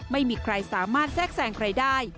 ไม่มีใครสามารถแทรกแซงใครได้